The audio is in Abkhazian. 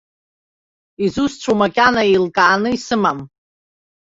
Изусҭцәоу макьана еилкааны исымам.